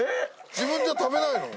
自分じゃ食べないの？